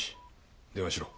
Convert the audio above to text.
電話しろ。